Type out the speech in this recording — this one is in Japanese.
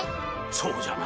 そうじゃな。